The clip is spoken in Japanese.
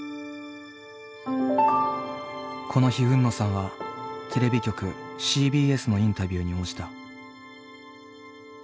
この日海野さんはテレビ局ＣＢＳのインタビューに応じた。